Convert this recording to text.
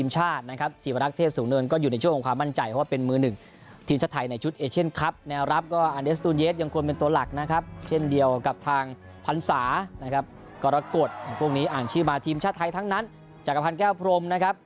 ชาติไทยทั้งนั้นจักรพันธ์แก้วพรมนะครับ